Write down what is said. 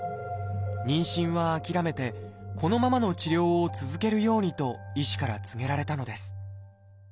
妊娠は諦めてこのままの治療を続けるようにと医師から告げられたのです